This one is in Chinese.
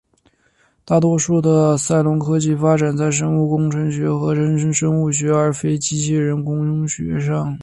大多数的赛隆科技发展在生物工程学和合成生物学而非机器人工学上。